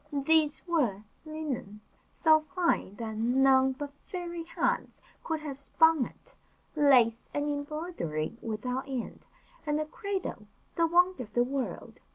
These were, linen, so fine that none but fairy hands could have spun it; lace and embroidery without end; and a cradle, the wonder of the world.